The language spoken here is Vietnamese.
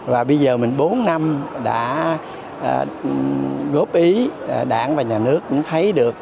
và bây giờ mình bốn năm đã góp ý đảng và nhà nước cũng thấy được